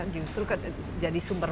justru jadi sumber